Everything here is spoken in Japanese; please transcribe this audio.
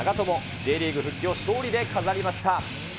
Ｊリーグ復帰を勝利で飾りました。